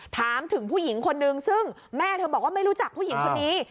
ถามถึงผู้หญิงคนนึงซึ่งแม่เธอบอกว่าไม่รู้จักผู้หญิงคนนี้